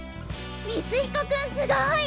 光彦君すごい！